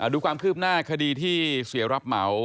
ดูความคืบหน้าคดีที่เสียรับเหมา